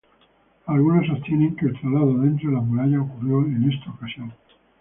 Algunos sostienen que el traslado dentro de las murallas ocurrió en esta ocasión.